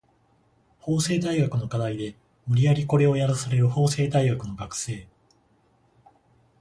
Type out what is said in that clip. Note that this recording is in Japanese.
法政大学の課題で無理やりコレをやらされる法政大学の学生